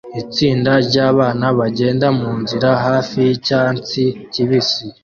Itsinda ryabana bagenda munzira hafi yicyatsi kibisi